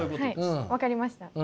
あっ分かりました。